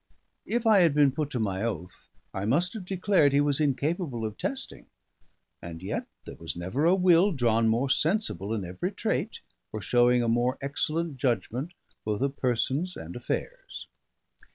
If I had been put to my oath, I must have declared he was incapable of testing; and yet there was never a will drawn more sensible in every trait, or showing a more excellent judgment both of persons and affairs.